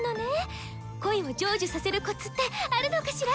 恋を成就させるコツってあるのかしら？